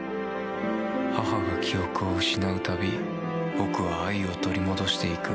母が記憶を失う度僕は愛を取り戻していく。